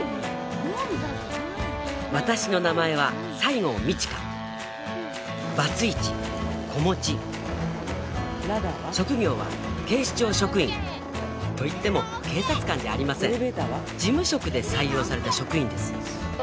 私の名前は西郷美千花バツイチ子持ち職業は警視庁職員といっても警察官じゃありません事務職で採用された職員です